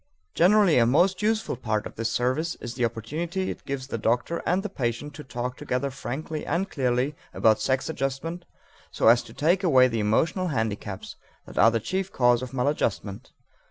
Generally a most useful part of this service is the opportunity it gives the doctor and the patient to talk together frankly and clearly about sex adjustment so as to take away the emotional handicaps that are the chief cause of maladjustment.